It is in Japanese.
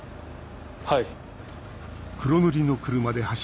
はい。